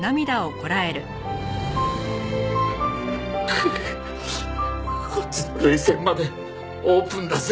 くっこっちの涙腺までオープンだぜ。